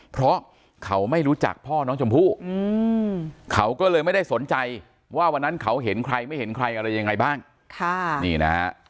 เพราะเขาไม่รู้จักพ่อน้องชมพู่เขาก็เลยไม่ได้สนใจว่าวันนั้นเขาเห็นใครไม่เห็นใครอะไรยังไงบ้างค่ะนี่นะฮะ